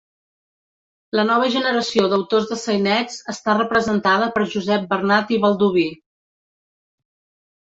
La nova generació d'autors de sainets està representada per Josep Bernat i Baldoví.